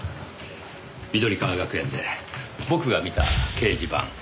緑川学園で僕が見た掲示板。